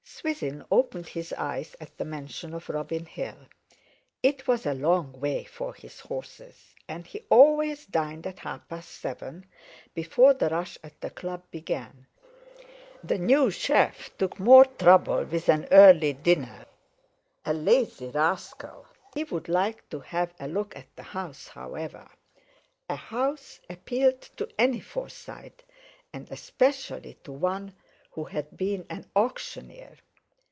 Swithin opened his eyes at the mention of Robin Hill; it was a long way for his horses, and he always dined at half past seven, before the rush at the Club began; the new chef took more trouble with an early dinner—a lazy rascal! He would like to have a look at the house, however. A house appealed to any Forsyte, and especially to one who had been an auctioneer.